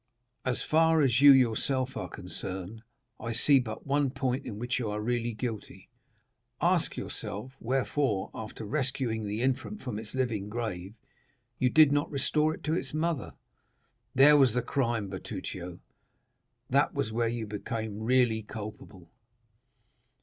As far as you yourself are concerned, I see but one point in which you are really guilty. Ask yourself, wherefore, after rescuing the infant from its living grave, you did not restore it to its mother? There was the crime, Bertuccio—that was where you became really culpable."